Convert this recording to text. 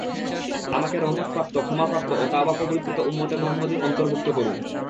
আমাকে রহমত প্রাপ্ত, ক্ষমাপ্রাপ্ত ও তাওবা কবুলকৃত উম্মতে মুহাম্মদীর অন্তর্ভুক্ত করুন!